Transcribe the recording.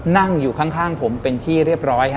นั่งอยู่ข้างผมเป็นที่เรียบร้อยฮะ